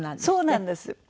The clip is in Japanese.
そうなんです。